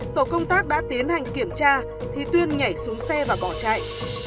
tổ công tác đã tiến hành kiểm tra thì tuyên nhảy xuống xe và bỏ chạy